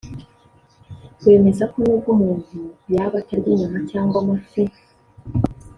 bemeza ko n’ubwo umuntu yaba atarya inyama cyangwa amafi